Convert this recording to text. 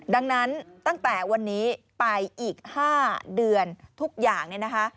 ดังนั้นตั้งแต่วันนี้ไปอีก๕เดือนทุกอย่าง